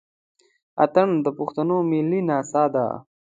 اتڼ د پښتنو ملي نڅا ده.